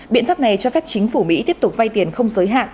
biện pháp này cho phép chính phủ mỹ tiếp tục vay tiền không giới hạn